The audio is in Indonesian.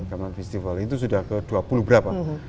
karena festival itu sudah ke dua puluh berapa